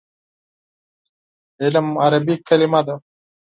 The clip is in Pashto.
علم عربي کلمه ده.